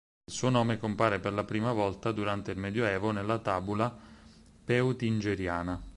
Il suo nome compare per la prima volta durante il medioevo nella Tabula Peutingeriana.